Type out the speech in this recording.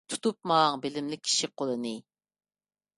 تۇتۇپ ماڭ بىلىملىك كىشى قولىنى.